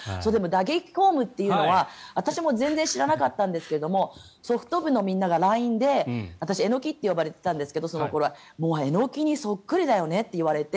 打撃フォームというのは私も全然知らなかったんですけどソフト部のみんながＬＩＮＥで私、エノキってその頃は呼ばれてたんですけどもうエノキにそっくりだよねって言われて。